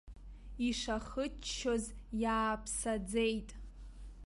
Ишахыччоз иааԥсаӡеит.